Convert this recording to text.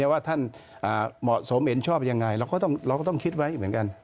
ว่าท่านเหมาะสมเห็นชอบยังไงเราก็ต้องคิดไว้เหมือนกัน